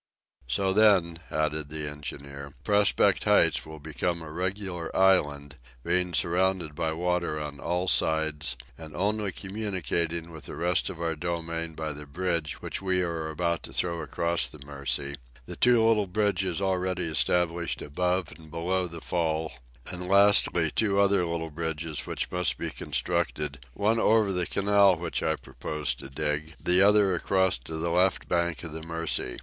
"So then," added the engineer, "Prospect Heights will become a regular island, being surrounded with water on all sides, and only communicating with the rest of our domain by the bridge which we are about to throw across the Mercy, the two little bridges already established above and below the fall; and, lastly, two other little bridges which must be constructed, one over the canal which I propose to dig, the other across to the left bank of the Mercy.